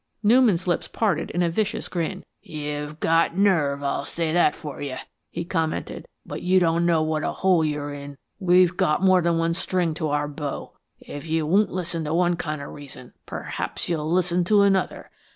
Newman's lips parted in a vicious grin. "You've got nerve, I'll say that for you," he commented. "But you don't know what a hole you're in. We've got more than one string to our bow. If you won't listen to one kind of reason, perhaps you'll listen to another.